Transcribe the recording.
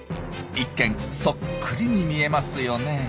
一見そっくりに見えますよね。